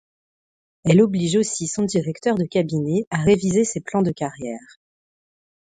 Elle oblige aussi son directeur de cabinet à réviser ses plans de carrière.